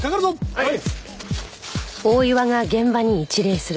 はい！